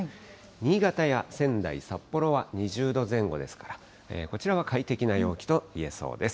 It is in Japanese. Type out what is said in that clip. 新潟や仙台、札幌は２０度前後ですから、こちらは快適な陽気といえそうです。